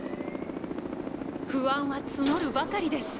不安は募るばかりです。